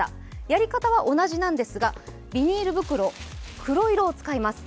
やり方は同じなんですが、ビニール袋、黒色を使います。